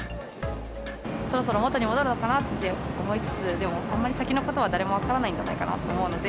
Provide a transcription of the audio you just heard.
そろそろ元に戻るのかなと思いつつ、でもあんまり先のことは誰も分からないんじゃないかなと思うので。